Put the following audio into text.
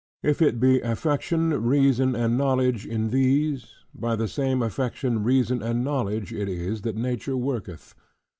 If it be affection, reason, and knowledge in these; by the same affection, reason, and knowledge it is, that Nature worketh.